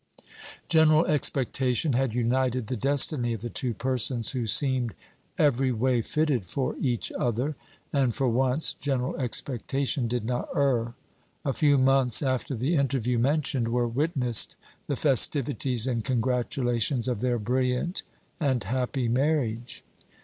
General expectation had united the destiny of two persons who seemed every way fitted for each other, and for once general expectation did not err. A few months after the interview mentioned were witnessed the festivities and congratulations of their brilliant and happy marriage.